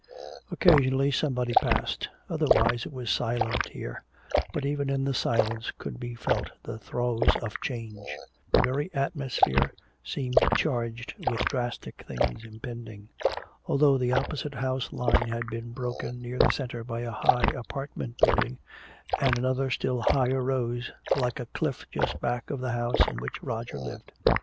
Occasionally somebody passed. Otherwise it was silent here. But even in the silence could be felt the throes of change; the very atmosphere seemed charged with drastic things impending. Already the opposite house line had been broken near the center by a high apartment building, and another still higher rose like a cliff just back of the house in which Roger lived.